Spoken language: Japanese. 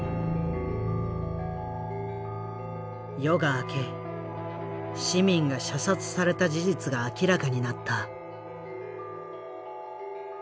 夜が明け市民が射殺された事実が明らかになった。